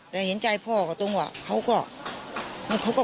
แต่เห็นใจพ่อก็แบบเขาก็